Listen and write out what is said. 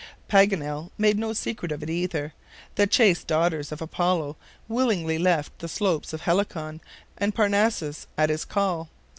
Paganel made no secret of it either. The chaste daughters of Apollo willingly left the slopes of Helicon and Parnassus at his call.